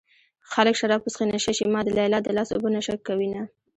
خلک شراب وڅښي نشه شي ما د ليلا د لاس اوبه نشه کوينه